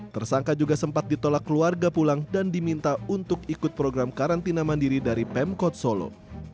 tersangka juga sempat ditolak keluarga pulang dan diminta untuk ikut program karantina mandiri dari pemkot solo